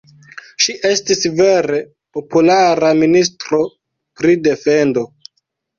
Ŝi estis vere populara ministro pri defendo.